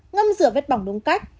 ngâm rửa vết bỏng đúng cách